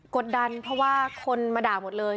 กดดันเพราะว่าคนมาด่าหมดเลย